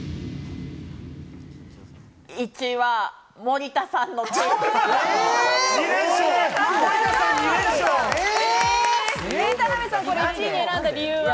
１位は森田さんのケーキスタ１位に選んだ理由は？